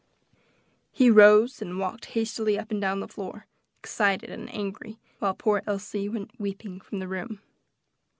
He rose and walked hastily up and down the floor, excited and angry, while poor Elsie went weeping from the room.